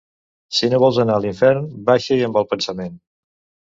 Si no vols anar a l'infern, baixa-hi amb el pensament.